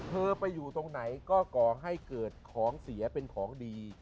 เธอไปอยู่ตรงไหนก็ก่อให้เกิดของเสียเป็นของดี